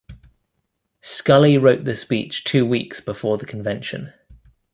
Scully wrote the speech two weeks before the convention.